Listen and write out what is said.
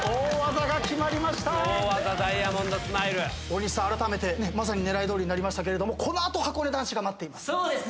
大西さんまさに狙いどおりになりましたけれどもこの後はこね男子が待っています。